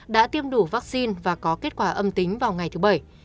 đã tiêm đủ vaccine và có kết quả âm tính vào ngày thứ bảy